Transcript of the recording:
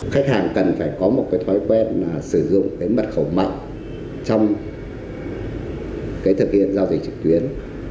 khách hàng cần phải có một cái thói quen sử dụng cái mật khẩu mạng trong cái thực hiện giao dịch trực tuyến